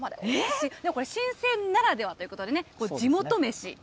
これね、新鮮ならではということでね、これ、地元めし。